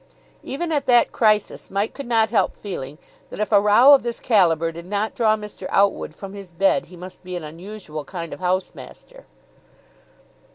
Even at that crisis, Mike could not help feeling that if a row of this calibre did not draw Mr. Outwood from his bed, he must be an unusual kind of house master.